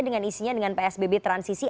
dengan isinya dengan psbb transisi